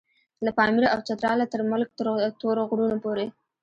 له پاميره او چتراله تر ملک تور غرونو پورې.